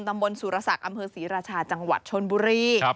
ตำบลสุรศักดิ์อำเภอศรีราชาจังหวัดชนบุรี